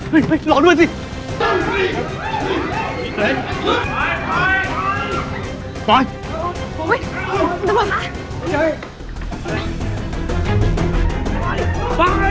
เฮ้ยแกไปถึงกูบันไดกมายัง